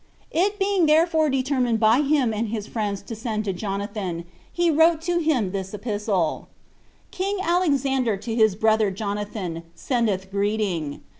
It being therefore determined by him and his friends to send to Jonathan, he wrote to him this epistle: "King Alexander to his brother Jonathan, sendeth greeting.